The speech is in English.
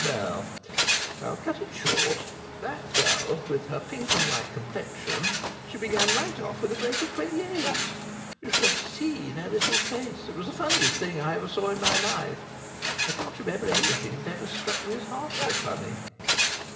Well, I'll cut it short. That girl, with her pink and white complexion she began right off with a break of twenty eight. You should have seen Ellis's face. It was the funniest thing I ever saw in my life. I can't remember anything that ever struck me as half so funny.